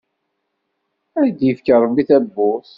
Ad d-yefk Ṛebbi tabburt!